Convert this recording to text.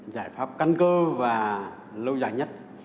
giải pháp căn cơ và lâu dài nhất